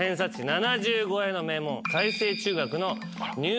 ７０超えの名門。